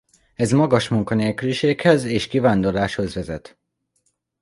Ez magas munkanélküliséghez és kivándorláshoz vezet.